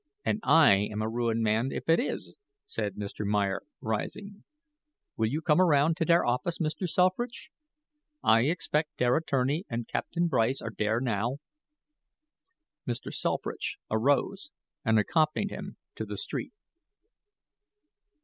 "And I am a ruined man if it is," said Mr. Meyer, rising. "Will you come around to der office, Mr. Selfridge? I expect der attorney and Captain Bryce are dere now." Mr. Selfridge arose and accompanied him to the street.